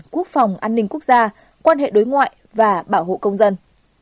quốc phòng an ninh quốc gia quan hệ đối ngoại và bảo hộ công dân